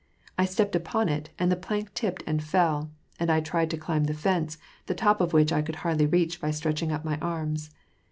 I stepped upon it, and the plank tipped and fell, and I tried to climb the fence, the top of which I could hardly reach by stretching up my arms.